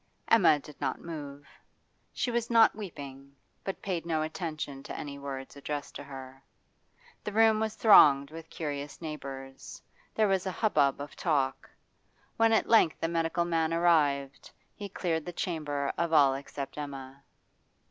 Emma did not move; she was not weeping, but paid no attention to any words addressed to her. The room was thronged with curious neighbours, there was a hubbub of talk. When at length the medical man arrived, he cleared the chamber of all except Emma.